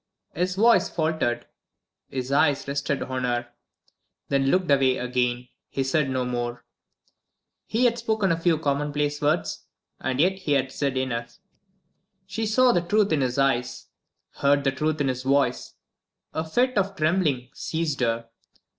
His voice faltered, his eyes rested on her then looked away again. He said no more. He had spoken a few commonplace words and yet he had said enough. She saw the truth in his eyes, heard the truth in his voice. A fit of trembling seized her.